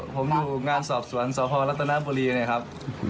ผมอยู่งานสอบสวรรค์สพรัตนบุรีเนี่ยครับ